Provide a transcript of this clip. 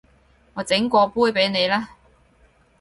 我整過杯畀你啦